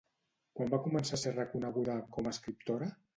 Quan va començar a ser reconeguda com a escriptora?